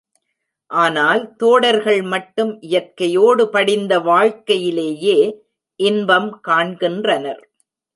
ஆனால் தோடர்கள் மட்டும் இயற்கையோடு படிந்த வாழ்க்கையிலேயே இன்பம் காண்கின்றனர்.